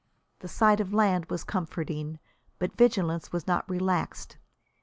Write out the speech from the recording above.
The sight of land was comforting, but vigilance was not relaxed.